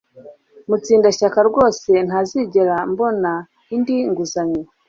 Mutsindashyaka rwose ntazigera mbona indi nguzanyo